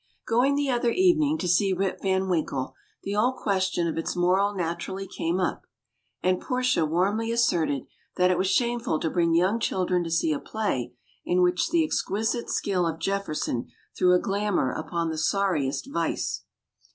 Going the other evening to see "Rip Van Winkle," the old question of its moral naturally came up, and Portia warmly asserted that it was shameful to bring young children to see a play in which the exquisite skill of Jefferson threw a glamour upon the sorriest vice.